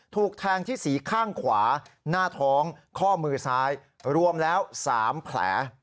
ถูกแทงที่สีข้างขวาหน้าท้องข้อมือซ้ายรวมแล้ว๓แผล